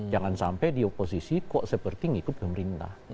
jangan sampai di oposisi kok seperti ngikut pemerintah